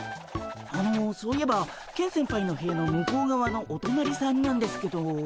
あのそういえばケン先輩の部屋の向こうがわのおとなりさんなんですけど。